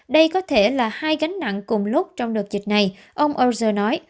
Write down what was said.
đây có thể là hai gánh nặng cùng lúc trong đợt dịch này ông auter nói